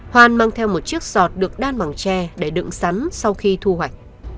hoan mang theo một chiếc giọt được đan bằng tre để đựng sắn sau khi thu hoạch